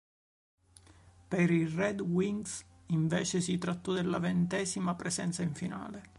Per i Red Wings invece si trattò della ventesima presenza in finale.